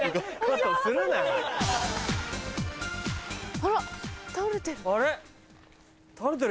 あら倒れてる。